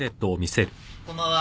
こんばんは。